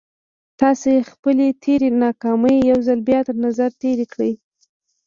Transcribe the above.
تاسې خپلې تېرې ناکامۍ يو ځل بيا تر نظر تېرې کړئ.